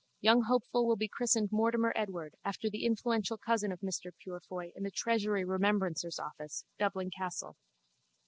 Young hopeful will be christened Mortimer Edward after the influential third cousin of Mr Purefoy in the Treasury Remembrancer's office, Dublin Castle.